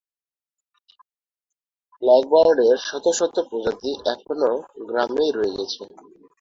ব্ল্যাকবার্ডের শত শত প্রজাতি এখনও গ্রামেই রয়ে গেছে।